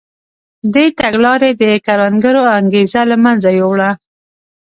دې تګلارې د کروندګر انګېزه له منځه یووړه.